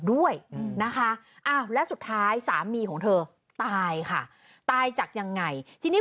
ด้วยนะคะอ้าวและสุดท้ายสามีของเธอตายค่ะตายจากยังไงทีนี้